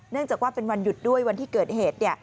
จากว่าเป็นวันหยุดด้วยวันที่เกิดเหตุ